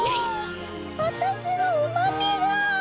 私のうまみが。